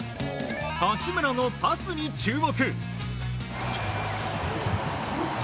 八村のパスに注目。